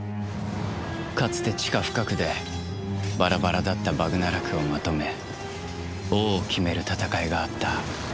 かつて地下深くでバラバラだったバグナラクをまとめ王を決める戦いがあった。